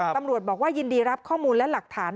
ตำรวจบอกว่ายินดีรับข้อมูลและหลักฐาน